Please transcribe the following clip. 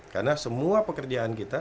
karena semua pekerjaan kita